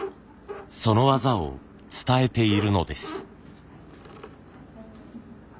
その技を伝えているのです。